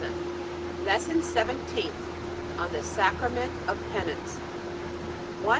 LESSON SEVENTEENTH ON THE SACRAMENT OF PENANCE 187.